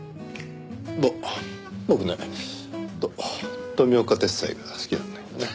ぼ僕ねと富岡鉄斎が好きなんだけどね。